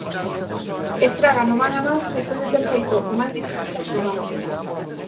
Estraga no man a man despois de ter feito o máis difícil da xogada.